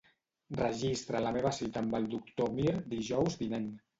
Registra la meva cita amb el doctor Mir dijous vinent.